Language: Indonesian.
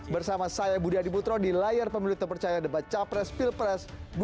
bersama saya budi adiputro di layar pemilu terpercaya debat capres pilpres dua ribu sembilan belas